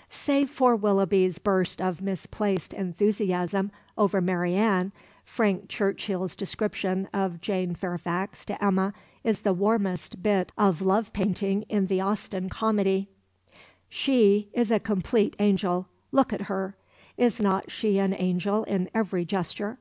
'" Save for Willoughby's burst of misplaced enthusiasm over Marianne, Frank Churchill's description of Jane Fairfax to Emma is the warmest bit of love painting in the Austen comedy "She is a complete angel. Look at her. Is not she an angel in every gesture?